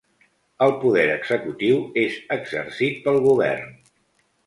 El poder executiu és exercit pel govern.